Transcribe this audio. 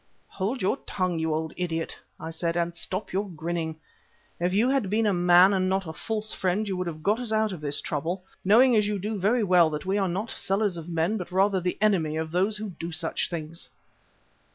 "Hold your tongue, you old idiot," I said, "and stop your grinning. If you had been a man and not a false friend you would have got us out of this trouble, knowing as you do very well that we are no sellers of men, but rather the enemy of those who do such things."